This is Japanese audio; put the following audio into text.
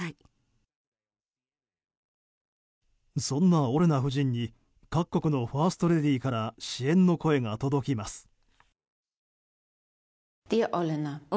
そんなオレナ夫人に各国のファーストレディーから支援の声が届きます。